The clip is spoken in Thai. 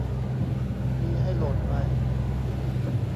มีให้โหลดไหม